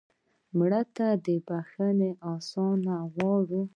مړه ته د بښنې آساني غواړو